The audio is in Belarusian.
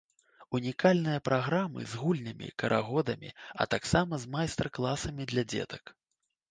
Унікальныя праграмы з гульнямі, карагодамі, а таксама з майстар-класамі для дзетак.